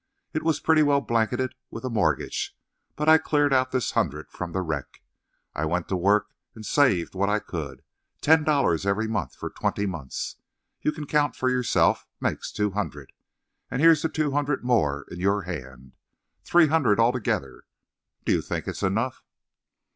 It was pretty well blanketed with a mortgage, but I cleared out this hundred from the wreck. I went to work and saved what I could. Ten dollars every month, for twenty months you can count for yourself makes two hundred, and here's the two hundred more in your hand. Three hundred altogether. Do you think it's enough?"